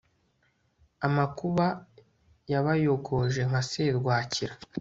amakuba yabayogoje nka serwakira